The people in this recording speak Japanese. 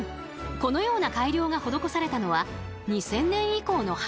このような改良が施されたのは２０００年以降の話。